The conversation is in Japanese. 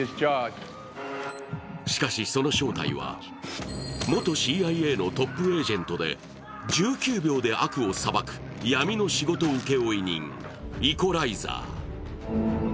しかし、その正体は元ＣＩＡのトップエージェントで１９秒で悪を裁く闇の仕事請負人、イコライザー。